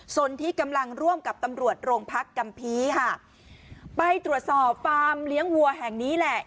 ส่วนที่กำลังร่วมกับตำรวจโรงพักกัมภีร์ค่ะไปตรวจสอบฟาร์มเลี้ยงวัวแห่งนี้แหละ